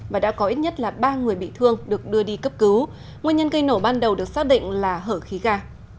và đã có ít nhất ba người bị thương được đưa đi cấp cứu nguyên nhân cây nổ ban đầu được xác định là hở khí gà